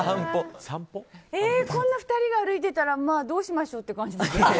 こんな２人が歩いていたらどうしましょうって感じ。